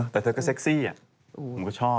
แต่เธอก็เซ็กซี่ผมก็ชอบ